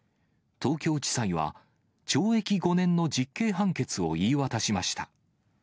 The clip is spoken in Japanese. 東京地裁は、懲役５年の実刑判決を言い渡しました。